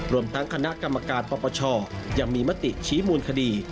รวมทั้งคณะกรรมการปปชยังมีมติชี้มูลคดี